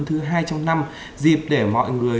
thứ hai trong năm dịp để mọi người